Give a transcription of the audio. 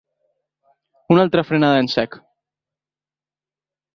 Una altra frenada en sec.